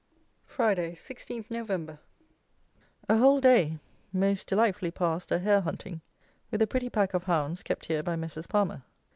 Friday, 16 Nov. A whole day most delightfully passed a hare hunting, with a pretty pack of hounds kept here by Messrs. Palmer.